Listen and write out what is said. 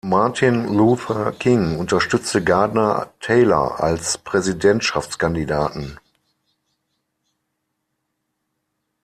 Martin Luther King unterstützte Gardner Taylor als Präsidentschaftskandidaten.